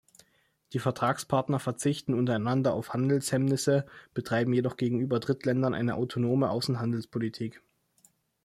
Die Vertragspartner verzichten untereinander auf Handelshemmnisse, betreiben jedoch gegenüber Drittländern eine autonome Außenhandelspolitik.